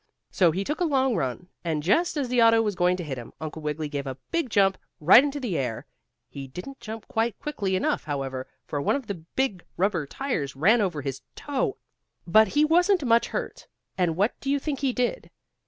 So he took a long run, and just as the auto was going to hit him, Uncle Wiggily gave a big jump, right up into the air. He didn't jump quite quickly enough, however, for one of the big rubber tires ran over his toe, but he wasn't much hurt. And what do you think he did?